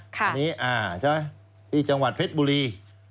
ที่จังหวัดเพชรบุรี